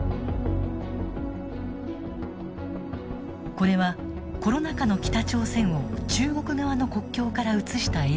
これはコロナ禍の北朝鮮を中国側の国境から写した映像。